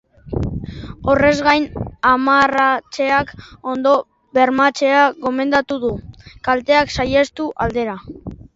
Horrez gain, amarratzeak ondo bermatzea gomendatu du, kalteak saihestu aldera.